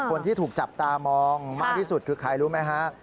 คนที่ถูกจับตามองมากที่สุดคือใครรู้ไหมฮะ